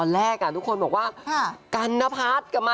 เดี๋ยวก่อนนะคะ